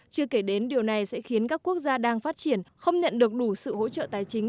chưa kể đến điều này sẽ khiến các quốc gia đang phát triển không nhận được đủ sự hỗ trợ tài chính